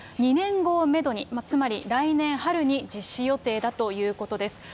２年後をメドに、つまり来年春に実施予定だということです。